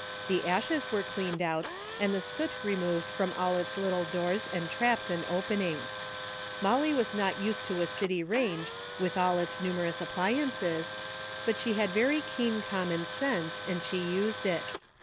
The ashes were cleaned out, and the soot removed from all its little doors and traps and openings. Molly was not used to a city range with all its numerous appli ances, but she had very keen common sense and she used it.